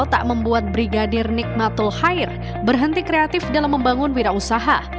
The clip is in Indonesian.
tak membuat brigadir nikmatul hair berhenti kreatif dalam membangun wira usaha